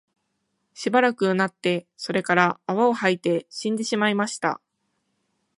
しばらく吠って、それから泡を吐いて死んでしまいました